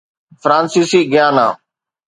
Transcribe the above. فرانسيسي گيانا